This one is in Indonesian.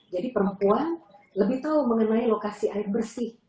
jadi perempuan lebih tahu mengenai lokasi air bersih